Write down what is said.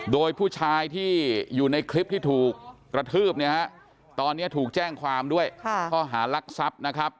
โดยผู้ชายที่อยู่ในคลิปที่ถูกกระทืบเนี่ยฮะตอนนี้ถูกแจ้งความด้วยข้อหารักทรัพย์นะครับ